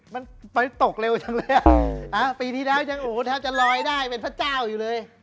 มันไปตกเร็วจังเลยอ่ะปีที่แล้วยังโอ้โหแทบจะลอยได้เป็นพระเจ้าอยู่เลย